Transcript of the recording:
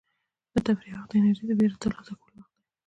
د تفریح وخت د انرژۍ د بیا ترلاسه کولو وخت دی.